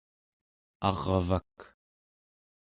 arvak